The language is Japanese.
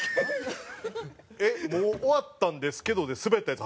「えっもう終わったんですけど」でスベったヤツ